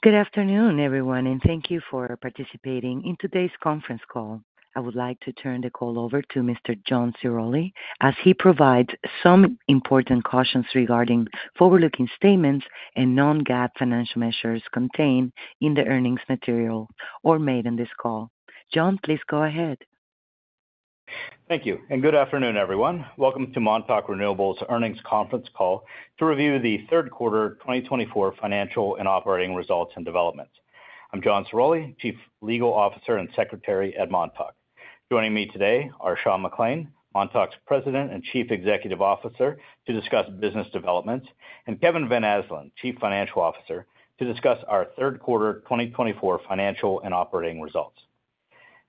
Good afternoon, everyone, and thank you for participating in today's conference call. I would like to turn the call over to Mr. John Ciroli, as he provides some important cautions regarding forward-looking statements and Non-GAAP financial measures contained in the earnings material or made in this call. John, please go ahead. Thank you, and good afternoon, everyone. Welcome to Montauk Renewables' earnings conference call to review the third quarter 2024 financial and operating results and developments. I'm John Ciroli, Chief Legal Officer and Secretary at Montauk. Joining me today are Sean McClain, Montauk's President and Chief Executive Officer, to discuss business developments, and Kevin Van Asdalan, Chief Financial Officer, to discuss our third quarter 2024 financial and operating results.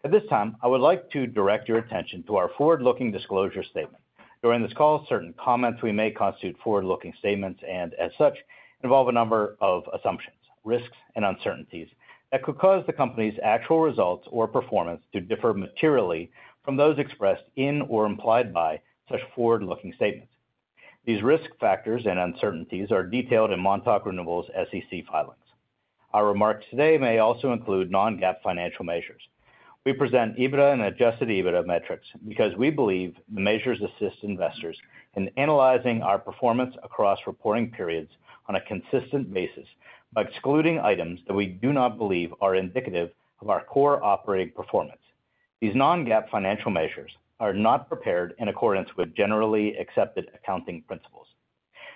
At this time, I would like to direct your attention to our forward-looking disclosure statement. During this call, certain comments we make constitute forward-looking statements and, as such, involve a number of assumptions, risks, and uncertainties that could cause the company's actual results or performance to differ materially from those expressed in or implied by such forward-looking statements. These risk factors and uncertainties are detailed in Montauk Renewables' SEC filings. Our remarks today may also include Non-GAAP financial measures. We present EBITDA and Adjusted EBITDA metrics because we believe the measures assist investors in analyzing our performance across reporting periods on a consistent basis by excluding items that we do not believe are indicative of our core operating performance. These Non-GAAP financial measures are not prepared in accordance with generally accepted accounting principles.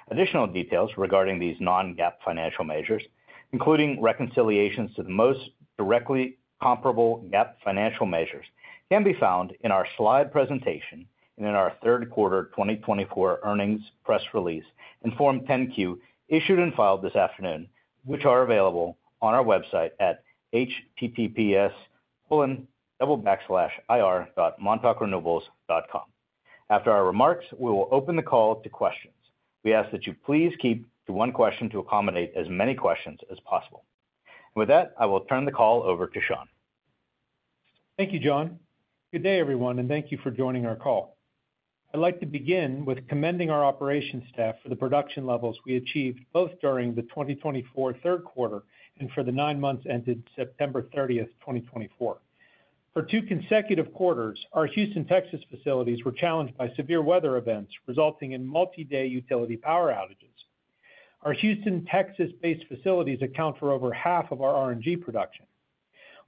Additional details regarding these Non-GAAP financial measures, including reconciliations to the most directly comparable GAAP financial measures, can be found in our slide presentation and in our third quarter 2024 earnings press release in Form 10-Q issued and filed this afternoon, which are available on our website at https://ir.montaukrenewables.com. After our remarks, we will open the call to questions. We ask that you please keep to one question to accommodate as many questions as possible, and with that, I will turn the call over to Sean. Thank you, John. Good day, everyone, and thank you for joining our call. I'd like to begin with commending our operations staff for the production levels we achieved both during the 2024 third quarter and for the nine months ended September 30th, 2024. For two consecutive quarters, our Houston, Texas facilities were challenged by severe weather events resulting in multi-day utility power outages. Our Houston, Texas-based facilities account for over half of our RNG production.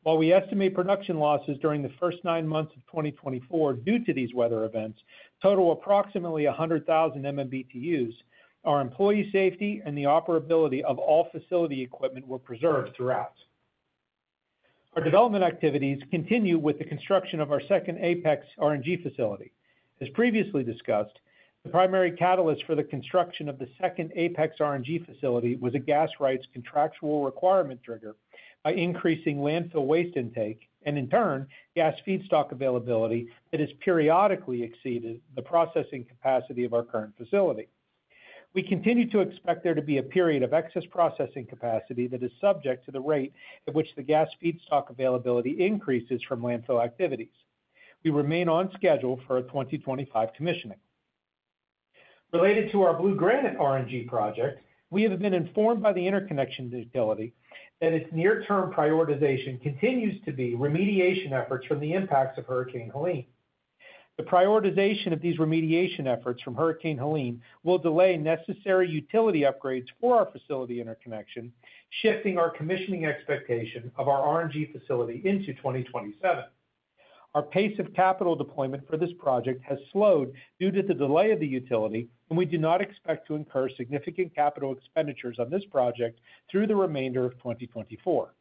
While we estimate production losses during the first nine months of 2024 due to these weather events, total approximately 100,000 MMBtu, our employee safety and the operability of all facility equipment were preserved throughout. Our development activities continue with the construction of our second Apex RNG facility. As previously discussed, the primary catalyst for the construction of the second Apex RNG facility was a gas rights contractual requirement triggered by increasing landfill waste intake and, in turn, gas feedstock availability that has periodically exceeded the processing capacity of our current facility. We continue to expect there to be a period of excess processing capacity that is subject to the rate at which the gas feedstock availability increases from landfill activities. We remain on schedule for our 2025 commissioning. Related to our Blue Granite RNG project, we have been informed by the interconnection utility that its near-term prioritization continues to be remediation efforts from the impacts of Hurricane Helene. The prioritization of these remediation efforts from Hurricane Helene will delay necessary utility upgrades for our facility interconnection, shifting our commissioning expectation of our RNG facility into 2027. Our pace of capital deployment for this project has slowed due to the delay of the utility, and we do not expect to incur significant capital expenditures on this project through the remainder of 2024.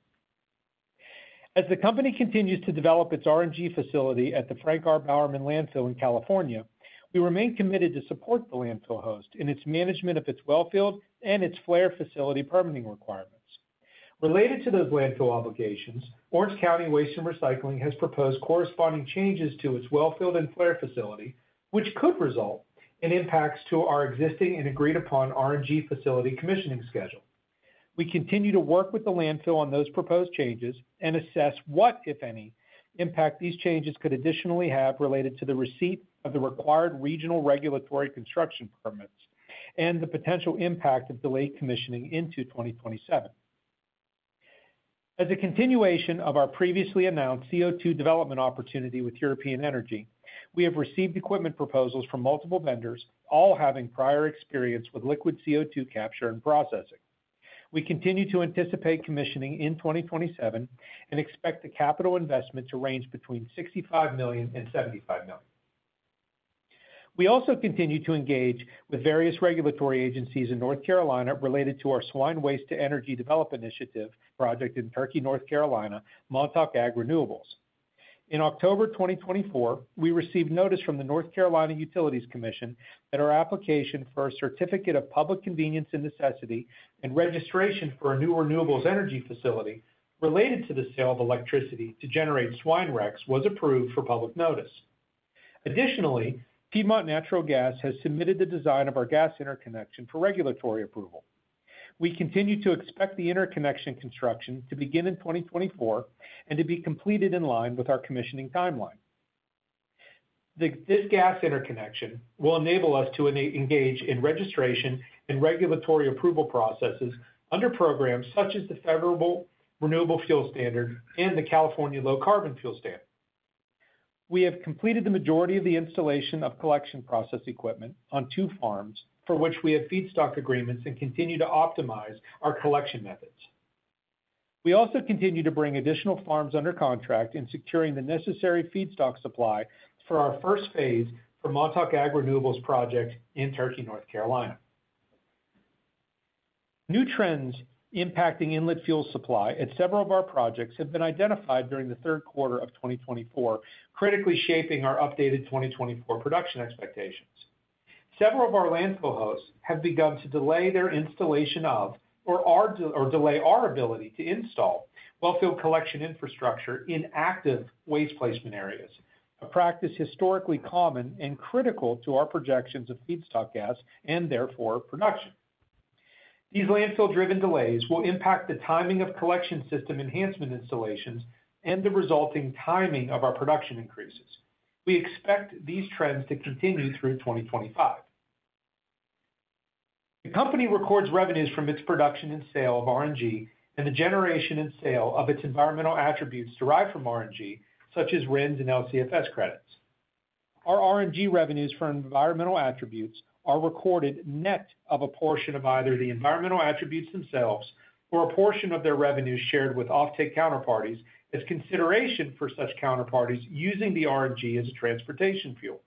As the company continues to develop its RNG facility at the Frank R. Bowerman Landfill in California, we remain committed to support the landfill host in its management of its wellfield and its flare facility permitting requirements. Related to those landfill obligations, Orange County Waste & Recycling has proposed corresponding changes to its wellfield and flare facility, which could result in impacts to our existing and agreed-upon RNG facility commissioning schedule. We continue to work with the landfill on those proposed changes and assess what, if any, impact these changes could additionally have related to the receipt of the required regional regulatory construction permits and the potential impact of delayed commissioning into 2027. As a continuation of our previously announced CO2 development opportunity with European Energy, we have received equipment proposals from multiple vendors, all having prior experience with liquid CO2 capture and processing. We continue to anticipate commissioning in 2027 and expect the capital investment to range between $65 million and $75 million. We also continue to engage with various regulatory agencies in North Carolina related to our swine waste-to-energy development initiative project in Turkey, North Carolina, Montauk Ag Renewables. In October 2024, we received notice from the North Carolina Utilities Commission that our application for a Certificate of Public Convenience and Necessity and registration for a new renewable energy facility related to the sale of electricity to generate swine RECs was approved for public notice. Additionally, Piedmont Natural Gas has submitted the design of our gas interconnection for regulatory approval. We continue to expect the interconnection construction to begin in 2024 and to be completed in line with our commissioning timeline. This gas interconnection will enable us to engage in registration and regulatory approval processes under programs such as the Federal Renewable Fuel Standard and the California Low Carbon Fuel Standard. We have completed the majority of the installation of collection process equipment on two farms for which we have feedstock agreements and continue to optimize our collection methods. We also continue to bring additional farms under contract in securing the necessary feedstock supply for our first phase for Montauk Ag Renewables project in Turkey, North Carolina. New trends impacting inlet fuel supply at several of our projects have been identified during the third quarter of 2024, critically shaping our updated 2024 production expectations. Several of our landfill hosts have begun to delay their installation of or delay our ability to install wellfield collection infrastructure in active waste placement areas, a practice historically common and critical to our projections of feedstock gas and, therefore, production. These landfill-driven delays will impact the timing of collection system enhancement installations and the resulting timing of our production increases. We expect these trends to continue through 2025. The company records revenues from its production and sale of RNG and the generation and sale of its environmental attributes derived from RNG, such as RINs and LCFS credits. Our RNG revenues for environmental attributes are recorded net of a portion of either the environmental attributes themselves or a portion of their revenues shared with off-take counterparties as consideration for such counterparties using the RNG as a transportation fuel.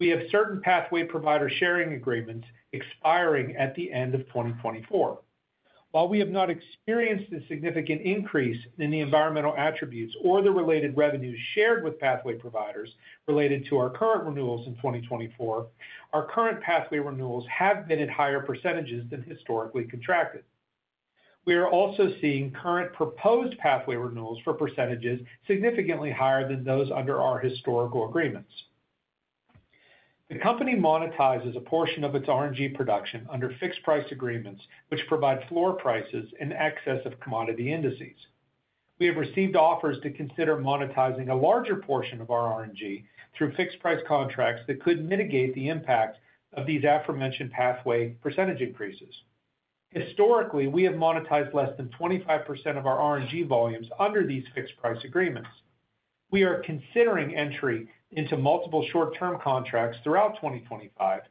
We have certain pathway provider sharing agreements expiring at the end of 2024. While we have not experienced a significant increase in the environmental attributes or the related revenues shared with pathway providers related to our current renewals in 2024, our current pathway renewals have been at higher percentages than historically contracted. We are also seeing current proposed pathway renewals for percentages significantly higher than those under our historical agreements. The company monetizes a portion of its RNG production under fixed-price agreements, which provide floor prices in excess of commodity indices. We have received offers to consider monetizing a larger portion of our RNG through fixed-price contracts that could mitigate the impact of these aforementioned pathway percentage increases. Historically, we have monetized less than 25% of our RNG volumes under these fixed-price agreements. We are considering entry into multiple short-term contracts throughout 2025,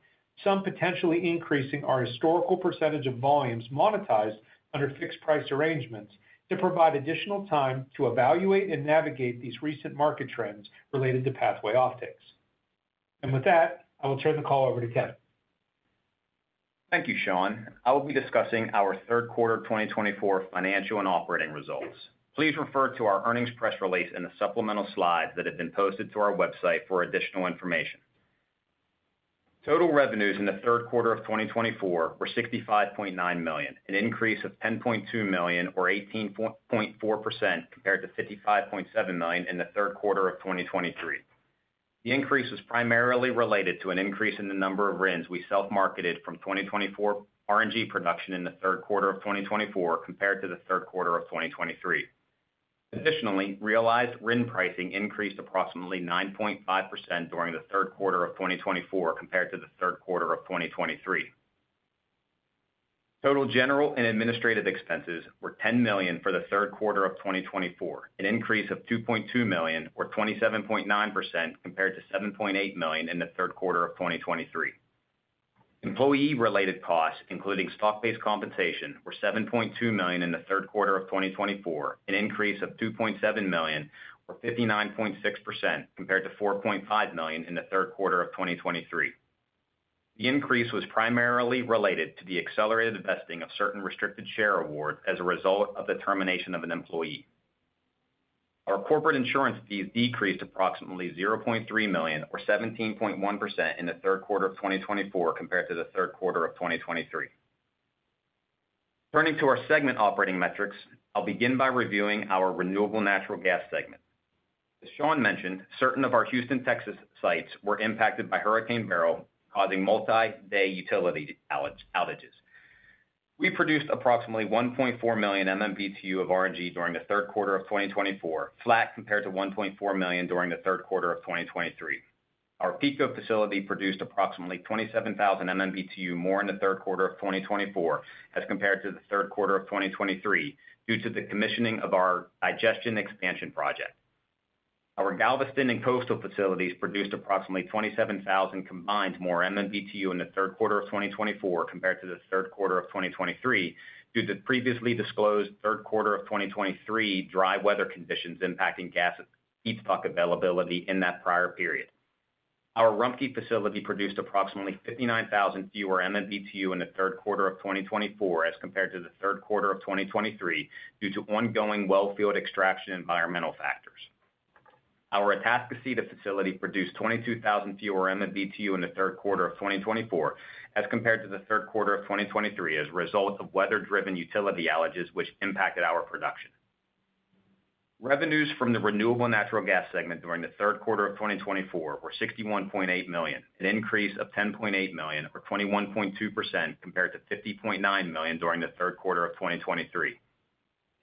some potentially increasing our historical percentage of volumes monetized under fixed-price arrangements to provide additional time to evaluate and navigate these recent market trends related to pathway off-takes, and with that, I will turn the call over to Kevin. Thank you, Sean. I will be discussing our third quarter 2024 financial and operating results. Please refer to our earnings press release and the supplemental slides that have been posted to our website for additional information. Total revenues in the third quarter of 2024 were $65.9 million, an increase of $10.2 million or 18.4% compared to $55.7 million in the third quarter of 2023. The increase was primarily related to an increase in the number of RINs we self-marketed from 2024 RNG production in the third quarter of 2024 compared to the third quarter of 2023. Additionally, realized RIN pricing increased approximately 9.5% during the third quarter of 2024 compared to the third quarter of 2023. Total general and administrative expenses were $10 million for the third quarter of 2024, an increase of $2.2 million or 27.9% compared to $7.8 million in the third quarter of 2023. Employee-related costs, including stock-based compensation, were $7.2 million in the third quarter of 2024, an increase of $2.7 million or 59.6% compared to $4.5 million in the third quarter of 2023. The increase was primarily related to the accelerated vesting of certain restricted share awards as a result of the termination of an employee. Our corporate insurance fees decreased approximately $0.3 million or 17.1% in the third quarter of 2024 compared to the third quarter of 2023. Turning to our segment operating metrics, I'll begin by reviewing our renewable natural gas segment. As Sean mentioned, certain of our Houston, Texas sites were impacted by Hurricane Beryl, causing multi-day utility outages. We produced approximately 1.4 million MMBtu of RNG during the third quarter of 2024, flat compared to 1.4 million MMBtu during the third quarter of 2023. Our Pico facility produced approximately 27,000 MMBtu more in the third quarter of 2024 as compared to the third quarter of 2023 due to the commissioning of our digestion expansion project. Our Galveston and Coastal facilities produced approximately 27,000 combined more MMBtu in the third quarter of 2024 compared to the third quarter of 2023 due to the previously disclosed third quarter of 2023 dry weather conditions impacting gas feedstock availability in that prior period. Our Rumpke facility produced approximately 59,000 fewer MMBtu in the third quarter of 2024 as compared to the third quarter of 2023 due to ongoing wellfield extraction environmental factors. Our Atascocita facility produced 22,000 fewer MMBtu in the third quarter of 2024 as compared to the third quarter of 2023 as a result of weather-driven utility outages which impacted our production. Revenues from the renewable natural gas segment during the third quarter of 2024 were $61.8 million, an increase of $10.8 million or 21.2% compared to $50.9 million during the third quarter of 2023.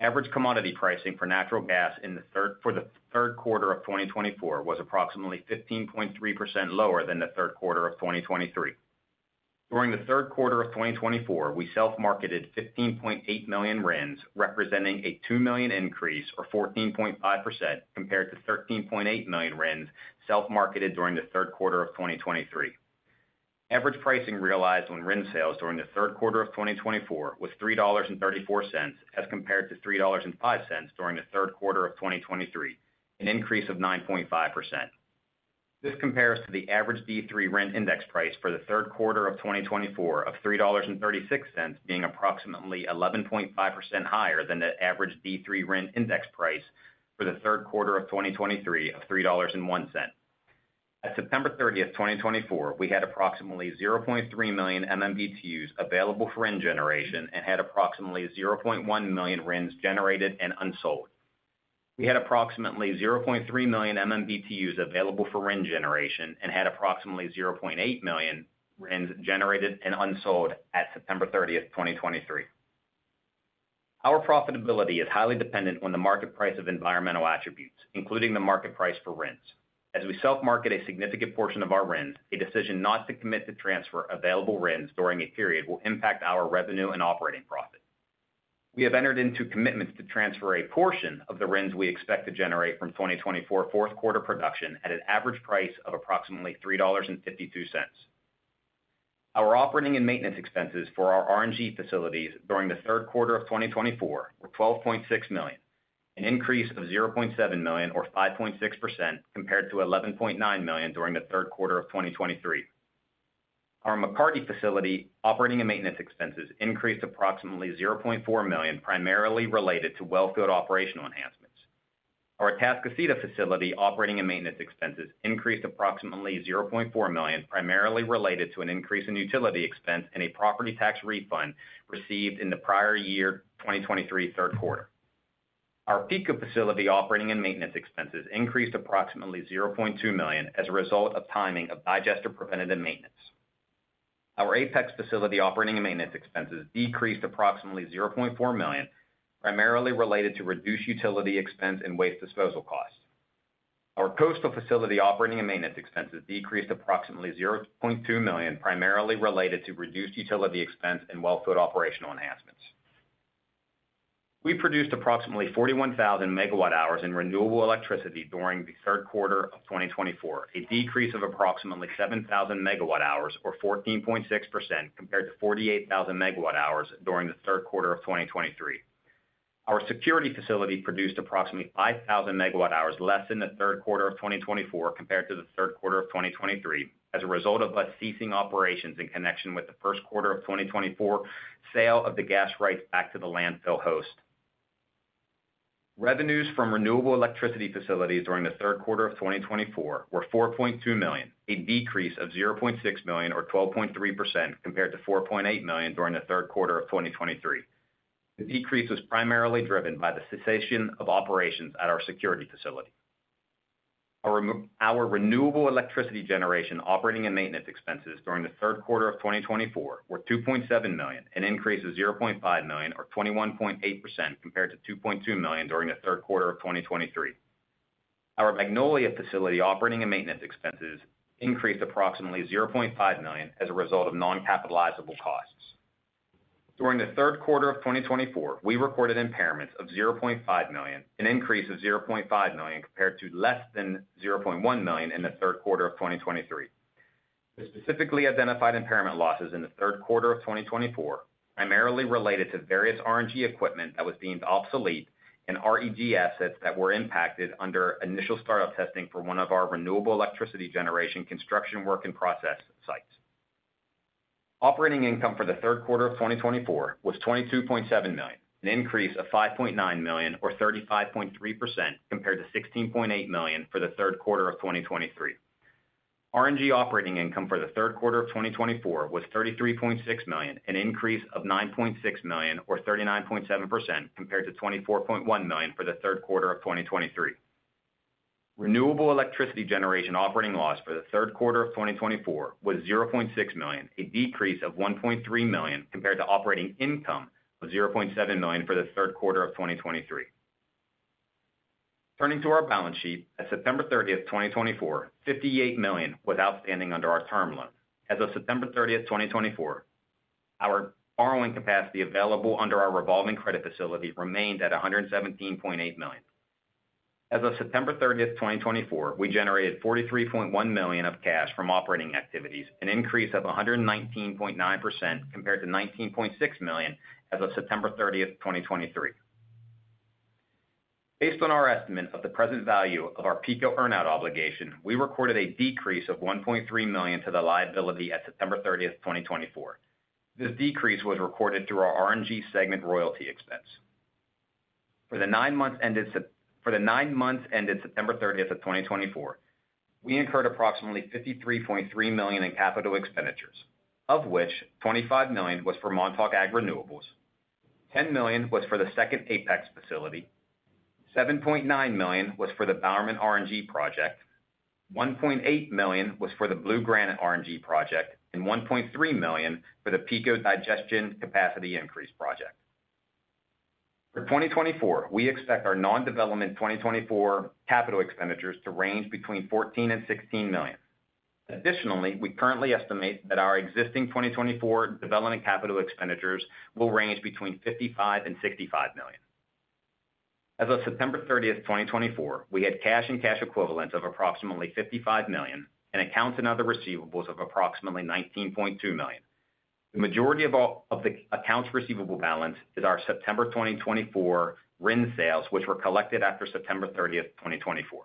Average commodity pricing for natural gas in the third quarter of 2024 was approximately 15.3% lower than the third quarter of 2023. During the third quarter of 2024, we self-marketed 15.8 million RINs, representing a $2 million increase or 14.5% compared to 13.8 million RINs self-marketed during the third quarter of 2023. Average pricing realized on RIN sales during the third quarter of 2024 was $3.34 as compared to $3.05 during the third quarter of 2023, an increase of 9.5%. This compares to the average D3 RIN index price for the third quarter of 2024 of $3.36, being approximately 11.5% higher than the average D3 RIN index price for the third quarter of 2023 of $3.01. At September 30th, 2024, we had approximately 0.3 million MMBtu available for RIN generation and had approximately 0.1 million RINs generated and unsold. We had approximately 0.3 million MMBtu available for RIN generation and had approximately 0.8 million RINs generated and unsold at September 30, 2023. Our profitability is highly dependent on the market price of environmental attributes, including the market price for RINs. As we self-market a significant portion of our RINs, a decision not to commit to transfer available RINs during a period will impact our revenue and operating profit. We have entered into commitments to transfer a portion of the RINs we expect to generate from 2024 fourth quarter production at an average price of approximately $3.52. Our operating and maintenance expenses for our RNG facilities during the third quarter of 2024 were $12.6 million, an increase of $0.7 million or 5.6% compared to $11.9 million during the third quarter of 2023. Our McCarty facility operating and maintenance expenses increased approximately $0.4 million, primarily related to wellfield operational enhancements. Our Atascocita facility operating and maintenance expenses increased approximately $0.4 million, primarily related to an increase in utility expense and a property tax refund received in the prior year 2023 third quarter. Our Pico facility operating and maintenance expenses increased approximately $0.2 million as a result of timing of digester preventative maintenance. Our Apex facility operating and maintenance expenses decreased approximately $0.4 million, primarily related to reduced utility expense and waste disposal costs. Our Coastal facility operating and maintenance expenses decreased approximately $0.2 million, primarily related to reduced utility expense and wellfield operational enhancements. We produced approximately 41,000 MWhs in renewable electricity during the third quarter of 2024, a decrease of approximately 7,000 MWhs or 14.6% compared to 48,000 MWhs during the third quarter of 2023. Our Security facility produced approximately 5,000 MWhs less in the third quarter of 2024 compared to the third quarter of 2023 as a result of us ceasing operations in connection with the first quarter of 2024 sale of the gas rights back to the landfill host. Revenues from renewable electricity facilities during the third quarter of 2024 were $4.2 million, a decrease of $0.6 million or 12.3% compared to $4.8 million during the third quarter of 2023. The decrease was primarily driven by the cessation of operations at our Security facility. Our renewable electricity generation operating and maintenance expenses during the third quarter of 2024 were $2.7 million, an increase of $0.5 million or 21.8% compared to $2.2 million during the third quarter of 2023. Our Magnolia facility operating and maintenance expenses increased approximately $0.5 million as a result of non-capitalizable costs. During the third quarter of 2024, we recorded impairments of $0.5 million, an increase of $0.5 million compared to less than $0.1 million in the third quarter of 2023. The specifically identified impairment losses in the third quarter of 2024 primarily related to various RNG equipment that was deemed obsolete and RNG assets that were impacted under initial startup testing for one of our renewable electricity generation construction work in process sites. Operating income for the third quarter of 2024 was $22.7 million, an increase of $5.9 million or 35.3% compared to $16.8 million for the third quarter of 2023. RNG operating income for the third quarter of 2024 was $33.6 million, an increase of $9.6 million or 39.7% compared to $24.1 million for the third quarter of 2023. Renewable electricity generation operating loss for the third quarter of 2024 was $0.6 million, a decrease of $1.3 million compared to operating income of $0.7 million for the third quarter of 2023. Turning to our balance sheet, as of September 30th, 2024, $58 million was outstanding under our term loan. As of September 30, 2024, our borrowing capacity available under our revolving credit facility remained at $117.8 million. As of September 30th, 2024, we generated $43.1 million of cash from operating activities, an increase of 119.9% compared to $19.6 million as of September 30th, 2023. Based on our estimate of the present value of our Pico earn-out obligation, we recorded a decrease of $1.3 million to the liability at September 30th, 2024. This decrease was recorded through our RNG segment royalty expense. For the nine months ended September 30th, 2024, we incurred approximately $53.3 million in capital expenditures, of which $25 million was for Montauk Ag Renewables, $10 million was for the second Apex facility, $7.9 million was for the Bowerman RNG project, $1.8 million was for the Blue Granite RNG project, and $1.3 million for the Pico digestion capacity increase project. For 2024, we expect our non-development 2024 capital expenditures to range between $14 and $16 million. Additionally, we currently estimate that our existing 2024 development capital expenditures will range between $55 and $65 million. As of September 30th, 2024, we had cash and cash equivalents of approximately $55 million and accounts and other receivables of approximately $19.2 million. The majority of the accounts receivable balance is our September 2024 RIN sales, which were collected after September 30th, 2024.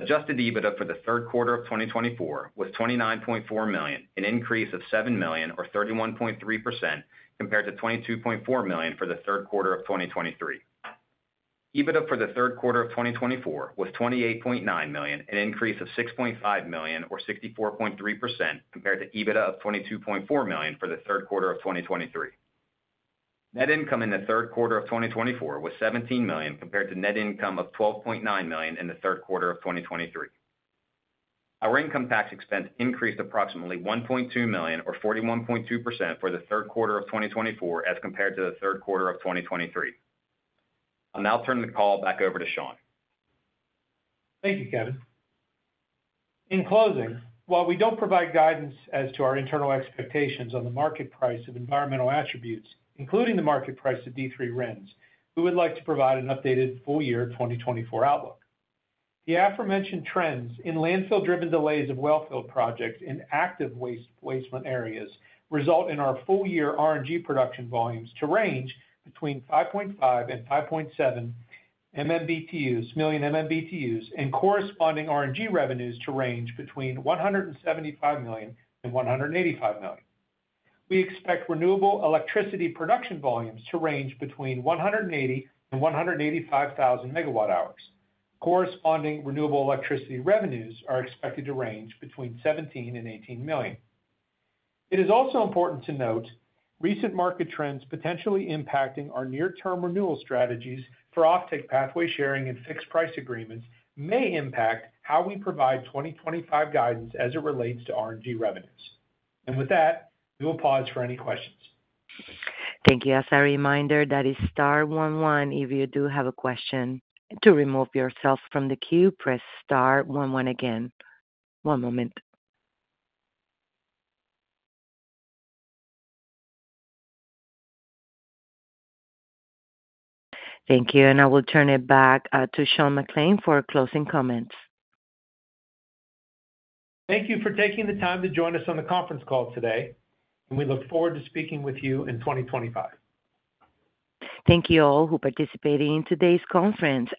Adjusted EBITDA for the third quarter of 2024 was $29.4 million, an increase of $7 million or 31.3% compared to $22.4 million for the third quarter of 2023. EBITDA for the third quarter of 2024 was $28.9 million, an increase of $6.5 million or 64.3% compared to EBITDA of $22.4 million for the third quarter of 2023. Net income in the third quarter of 2024 was $17 million compared to net income of $12.9 million in the third quarter of 2023. Our income tax expense increased approximately $1.2 million or 41.2% for the third quarter of 2024 as compared to the third quarter of 2023. I'll now turn the call back over to Sean. Thank you, Kevin. In closing, while we don't provide guidance as to our internal expectations on the market price of environmental attributes, including the market price of D3 RINs, we would like to provide an updated full year 2024 outlook. The aforementioned trends in landfill-driven delays of wellfield projects in active waste front areas result in our full year RNG production volumes to range between 5.5 million and 5.7 million MMBtu and corresponding RNG revenues to range between $175 million and $185 million. We expect renewable electricity production volumes to range between 180,000 MWhs and 185,000 MWhs. Corresponding renewable electricity revenues are expected to range between $17 million and $18 million. It is also important to note recent market trends potentially impacting our near-term renewal strategies for off-take pathway sharing and fixed price agreements may impact how we provide 2025 guidance as it relates to RNG revenues, and with that, we will pause for any questions. Thank you. As a reminder, that is star 1 1. If you do have a question to remove yourself from the queue, press star 1 1 again. One moment. Thank you, and I will turn it back to Sean McClain for closing comments. Thank you for taking the time to join us on the conference call today, and we look forward to speaking with you in 2025. Thank you all who participated in today's conference.